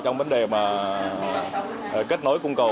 trong vấn đề kết nối cung cầu